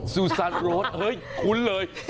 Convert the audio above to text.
ซูซานโรสเฮ้ยคุ้นเลย